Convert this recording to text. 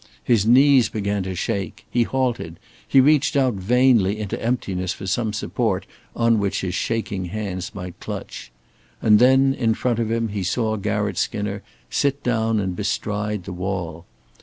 His knees began to shake; he halted; he reached out vainly into emptiness for some support on which his shaking hands might clutch. And then in front of him he saw Garratt Skinner sit down and bestride the wall.